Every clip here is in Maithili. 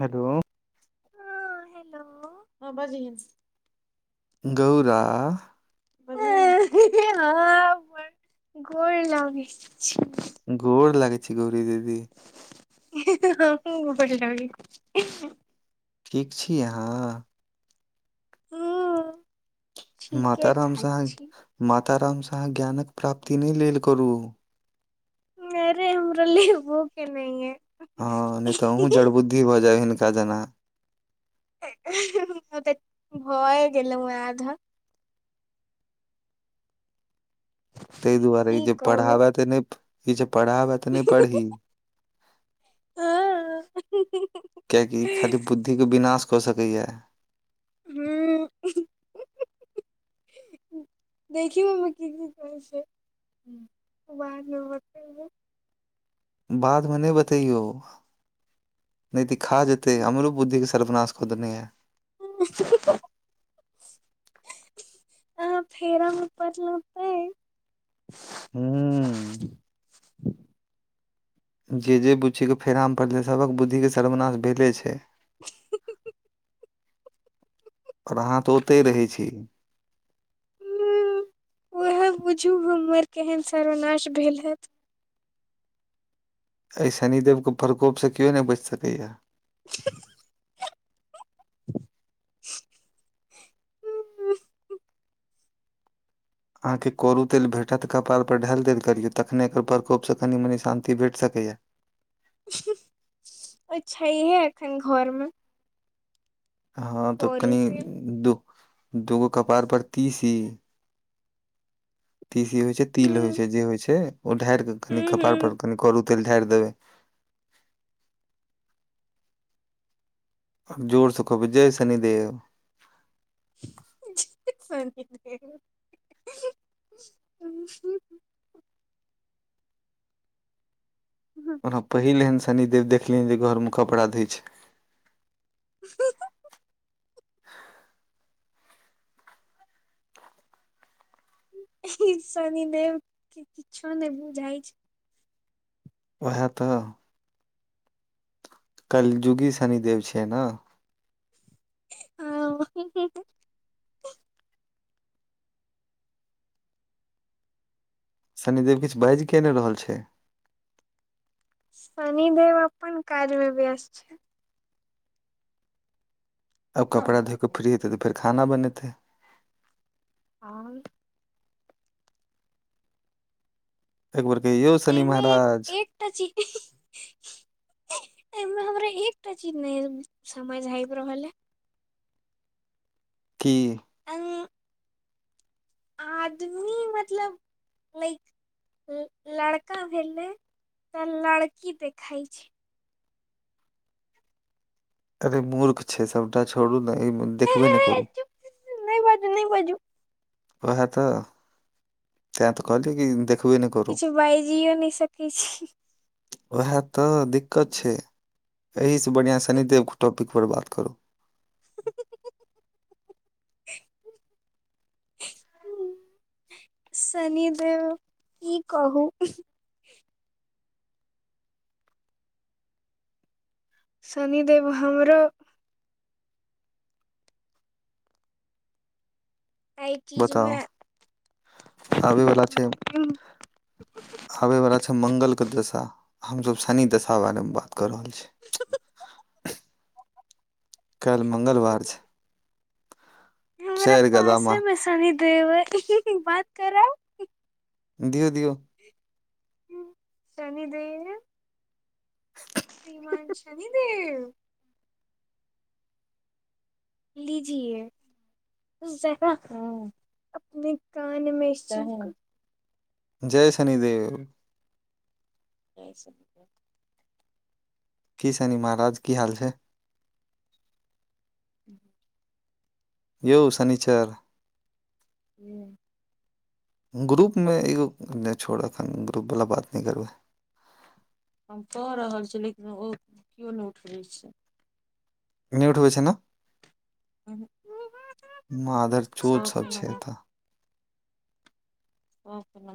हेलो हँ हेलो हँ बजहि गौरा हँ गोर लागै छै गोर लागै छै गौरी दीदी [unintelligible] ठीक छी अहाँ हूँ ठीके माताराम ठाक स छी माताराम स ज्ञानक प्राप्ति नहि लेल करू अरे हमरा लि वो के नहि है हँ नहि तऽ अूँ जड़ बुद्धि भऽ जायब हिनका जेना ओ तऽ भए गेल आधक ताहि दुआरे ई की जे कहू पढ़ाबै तऽ नहि ई जे पढ़ाबै तऽ नहि पढ़ी हूँ क्यकि खाली बुद्धि के विनाश हो सकीएै हूँ देखिमे की की कह छै [unintelligible] बाद मे नहि बतैयौ नहि तऽ खा जेतै हमरो बुद्धि के सर्वनास को देने है ह अहाँ फेरा मे परलौ तै हूँ जे जे बुच्चीके फेराम पड़लै सभक बुद्धिके सर्वनाश भेले छै ओर अहाँ तऽ ओतहि रहै छी हम्म, उएह बुझू हमर केहन सर्वनाश भेल हैत एहि शनिदेवके प्रकोपसँ केओ नहि बचि सकैए [unintelligible] अहाँकेँ के कोरू तेल भेटत कपारपर ढालि दैत करियौ तखने एकर प्रकोपसँ कनि मनी शान्ति भेट सकैए ओ छैहे एखन घरमे हँ तऽ कनी तेल दो दूगो कपार पर तीसी तीसी होइ छै हूँ तिल होइ छै जे होइ छै ओ ढारि कऽ कनि हूँ कपाड़पर हूँ कनि करू तेल ढारि देबै ओ जोर से कहबै जय शनिदेव [inaudible] ह ओना पहिल एहन शनिदेव देखलियनि जे घरमे कपड़ा धइ छै [unintelligible] [unintelligible] ई शनिदव किछो नहि बुझइ छै वएह तऽ कलजुगी शनिदेव छियै ने ह शनिदेव किछु बाजि के नहि रहल छै शनिदेव अपन कार्य में व्यस्त छै आब कपड़ा धोइऽ फ्रीतै तऽ फेर खाना बनेतै आओर एक बर कहियौ शनि महाराज तची एमे हमरा एकटा चीज नहि समझ आबि रहल है की अङ आदमी मतलब लाइक लड़का भेले तऽ लड़की देखाई छी अरे मूर्ख छै सबटा छोड़ू ने देखबे नहि करू नहि बाजू नहि बाजू ओह तऽ तै तऽ कहली कि देख किछु बाजियो नहि सकै छी उएह तऽ दिक्कत छै एहिसँ बढ़िआँ शनिदेवके टॉपिकपर बात करू शनिदेव की कहू शनिदेव हमरो आइ बताउ आबै वला छै आबे वालला छै मंगल के दशा हमसभ शनि दशा बारेमे बात कऽ रहल छी काल्हि मङ्गलवार छै हमरा चारि गदा पास है मार मे शनी देव एक एक बात करा दिऔ दिऔ ह शनिद प्रीमान शनिदव लीजए अपने कानमे जय शनिदेव जस की शनि महाराज की हाल छै [inaudible] यौ शनिचर हूँ ग्रुपमे एगो नहि छोड़त ग्रुपवला बात नहि करबै हम कहि रहल छीिय लेकिन ओ केओ नहि उठबैत छै नहि उठबै छै ने मादर चोद सब सबके छै नम्बर एतऽ ओ न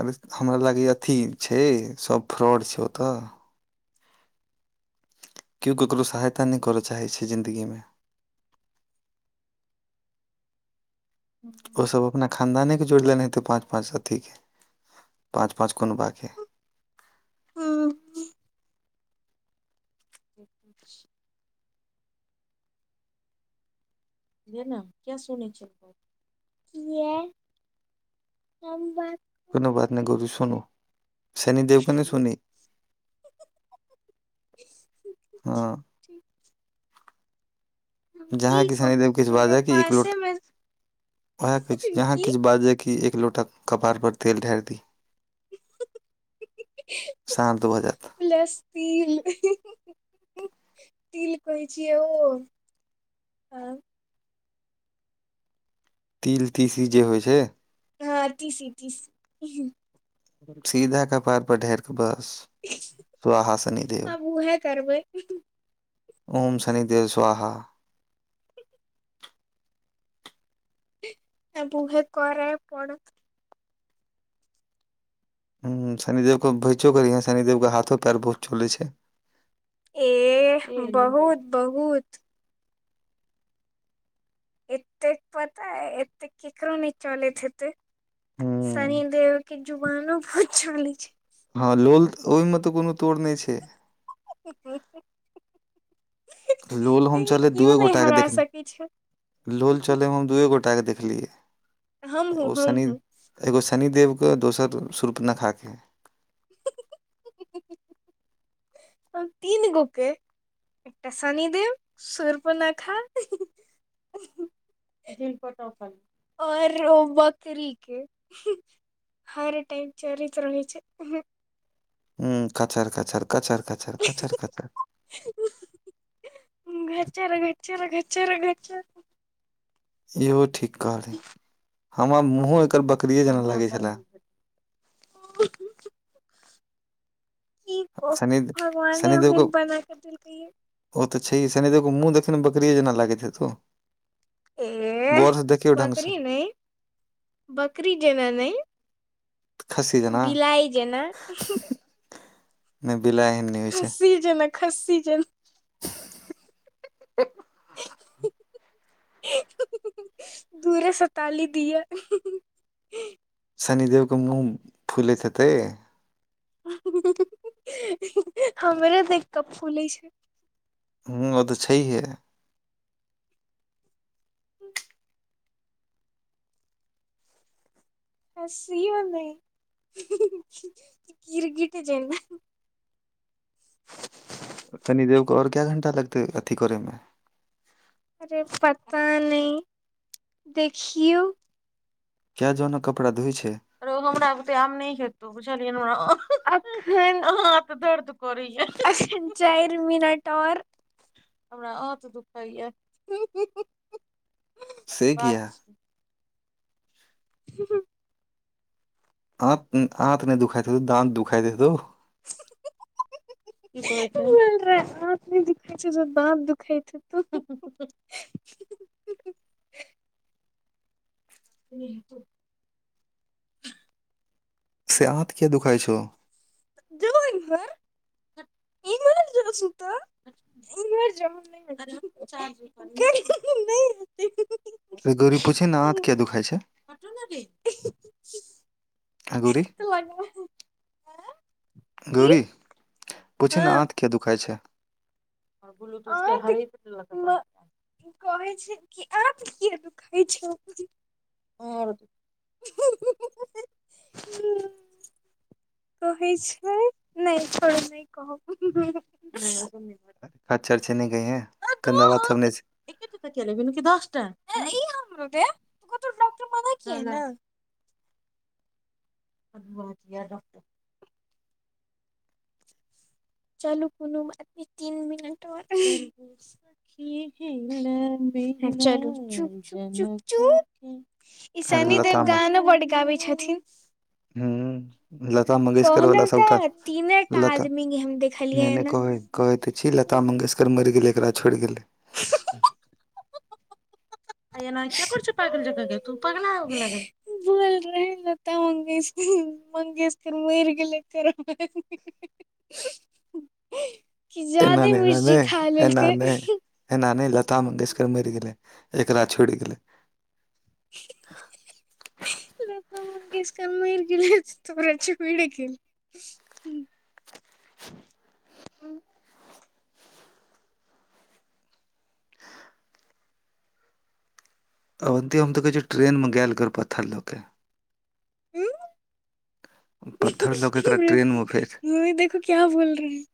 अरे हमरा लागै अथी छै सभ फ्रॉड छै ओतऽ केओ ककरो सहायता नहि करय चाहै छै जिन्दगीमे हू [unintelligible] ओस अपना खानदानेके जोड़ि देने हेतै पाँच पाँच अथीके पाँच पाँच कोन बाके ज देना किया सुने छै गप किया हम बात कोनो बात नहि गौरी सुनू शनिदेवके ने सुनी हँ हम जहाँ की कि शनिदेव कहू किछु हमरा बाजय एकलोट पासेमे वएह कह जहाँ की किछु बाजे की एक लोटा कपार पर तेल ढार दी सढ़ दू बजत लेसपील तिल कह छी ओ आ तिल तीसी जे होइ छै हँ टीसी टीसी सीधा कपार पर ढेर के बस स्वाहा शनिदेव आब उहे करबै ओम शनि देेव स्वहा आ बुहे करै पड़त ह शनिदेवके भैसो के और शनिदेव के हाथो पैर बहुत चलै छै ए बहुत बहुत एतेक पता ह एते केकरो नहि चलैत हेतै हुँ। शनिदेव के जुबनो बहुत चलै छै हँ लोल ओहिमे तऽ कोनो तोर नहि छै ओहिमे लोल होम चल कियो दूए नहि गोटागे हरा सकै छै देखने लोल चलैत हम दुए गोटाकेँ देखलियै हमहूँ एगो शनि हमहूँ एगो शनिदेवके दोसर सुर्पनखाके तीन गो के एकटा शनिदेव सुर्पनखा आऔर बकरीे के हर टाइम चरित रहै छै ह कचर काचर कचर काचर कचर कचर घर घर चर चर इहो ठीक कहै हमरा मुँहो एकर बकरिए जेना लागै छलए ओ [unintelligible] की कहू शनि भगवाने शनिदेव के ओहन बना कऽ देलकै ये ओ तऽ छैह सनि देखो मुँह देख ने बकरी केजेना लागैत हेतौ ए गौर से देखियौ ढंग से, बकरी नहि बकरी जेना न खस्सी जेना, विलाइ जेना नहि बिलाइ एहन नहि होइ छै। खसी जे ने खसी जे [unintelligible] दूरे सताली दअ शनि देव के मुँह फुलैत हेतै हमरे तऽ एक कप फूले छै हूँ ओ तऽ छैही है ह सी ब नहि कीर गीट छै ने शनिदेव को आओर क्या घंटा लगतै अथी करेमे अरे पता नहि देखियौ क्य जोना कपड़ा धोइ छै रो हमरा ओते आम नहि खेतौ चल तऽ दर्द करै चारि मिनट आर हमरा अत दुख होय से किया बात स आँ आँख नहि दुखाइ हेत‌उ दाँत दुखाइ देतौ आ हाथनय दुखाइ छै दाँत दुखइ छै त [unintelligible] ह से आंत किया दुखाइ छौ जगन जग सु त [unintelligible] अ गोरी पूछे ने हत किया दुखाय छै हटो न रे ऐ गौरी की गौरी पूछि ने आँख किया दुखाइ छै ओर बूू [unintelligible] कहै छै कि आब कि दुखै छउ आओर तऽ होइ छै नहि फर नहि कह अ चर्चा नहि किए गंदाबातसब छै एके च लब दसटा [unintelligible] ब बहुतिया ॉकटर चलू कोनो बात नहि मिनट ओर चलु चुप चुप चुप चुप अरे ईशनी देव लतामा गानो बड् गाबै छथिन ह लता मंगेशकर वला कहलौं सबटा तऽ तीने टा लता आदमी के हम देखलियै नहि नहि एना कहै कहै ते छी लता मंगेशकर मरि गेलै एकरा छोड़ि गेलै [unintelligible] अ न प छै पगल छै बग तू पग नहि लगै बोलि रहै लता मंगेश मंगेशकर मरि गेलै कर एना ज्यादे नै एना मिर्ची नै खा एना लेलकै नै एना न लता मंगेशकर मरि गेले एकरा छुटि गेले ल तऽ मंगेस कर मर गेल तरा छै भी [inaudible] अवन्ती हम तऽकहियो ट्रेनमे गेल कर पत्थर लऽ केऽ पत्थर लऽ के एकरा ट्रेनमे फेर मम्मी देखो क्या बोल रहे हैं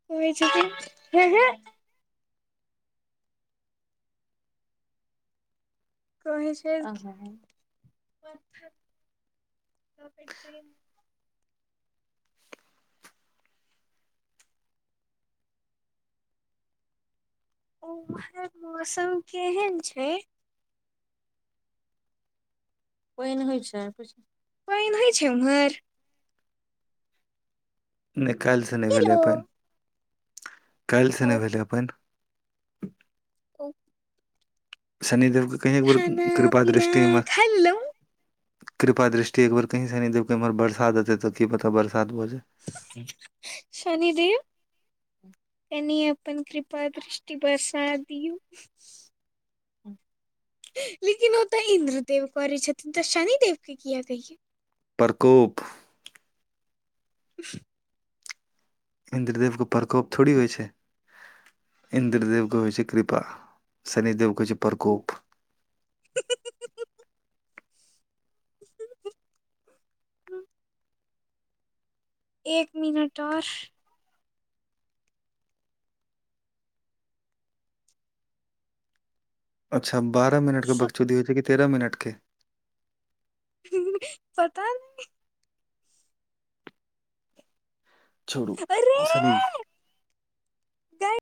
हो [unintelligible] कह छै उहर मौसम केहन छै पानि होइ छै पानि होइ छै उम्हर नहि काल्सँ नहि भेलै हेलो अपन काल्सँ ओ, नहि भेल अपन ओ शनिदेवके खाना कही कृपा पीना दृष्टि एम्हर खा लेलौं कृपा दृष्टि एकबर कहींशनि देबके एम्हर बरसात एतै तऽकी पता बरसात भऽ जाय शनिदेव कनी अपन कृपा दृष्टि बसा दिऔ लेकिन ओ तऽ इन्द्रदेव करै छथिन तऽ शनिदेव के किया कहियए प्रकोप ह इन्द्रदेवके प्रकोप थोड़ी होइ छै इन्द्रदेवके होइ छै कृपा शनिदेवके होइ छै प्रकोप ह एक मिनट आर अच्छा बारह मिनटके सु- बकचूदी होइ छै कि तेरह मिनटके पता नहि छोड़ुसरी त